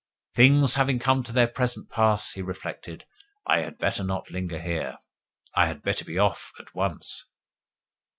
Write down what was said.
"Things having come to their present pass," he reflected, "I had better not linger here I had better be off at once."